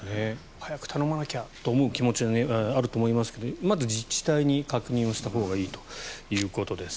早く頼まなきゃと思う気持ちもあるかもしれないですがまず自治体に確認をしたほうがいいということです。